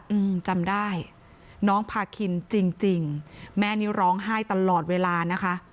อืมจำได้น้องพาคินจริงจริงแม่นี่ร้องไห้ตลอดเวลานะคะ